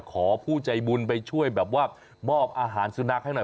ขอผู้ใจบุญไปช่วยแบบว่ามอบอาหารสุนัขให้หน่อย